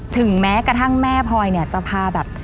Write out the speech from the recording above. ถึงแม้กระทั่งแม่พลอยเนี่ยจะพาแบบ